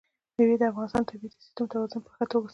مېوې د افغانستان د طبعي سیسټم توازن په ښه توګه ساتي.